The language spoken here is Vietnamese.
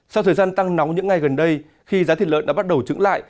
sau thời gian tăng nóng những ngày gần đây khi giá thịt lợn đã bắt đầu trứng lại